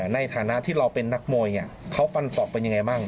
ในฐานะที่เราเป็นนักมวยเขาฟันศอกเป็นยังไงบ้าง